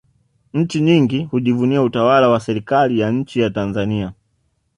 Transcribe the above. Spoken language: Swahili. nchi nyingi hujivunia utawala wa serikali ya nchi ya tanzania